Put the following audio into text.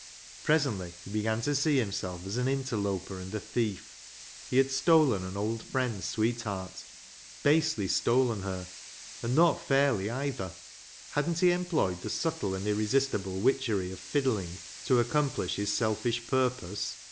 " Presently he began to see himself as an interloper and thief. He had stolen an old friend's sweetheart. Basely stolen her ! And not fairly either. Hadn't he employed the subtle and irresistible witchery of fiddling to accomplish his selfish purpose